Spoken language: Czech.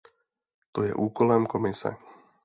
To je úkolem Komise.